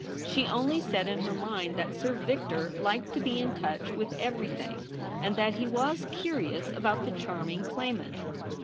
She only said in her mind that Sir Victor liked to be in touch with everything, and that he was curious about the charming claimant.